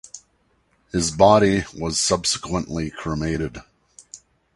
His body was subsequently cremated.